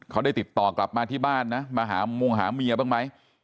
เขาได้ติดต่อกลับมาที่บ้านนะมาหามงหาเมียบ้างไหม